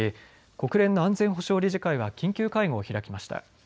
国連の安全保障理事会は緊急会合を開きました。